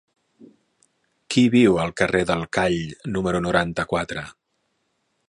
Qui viu al carrer del Call número noranta-quatre?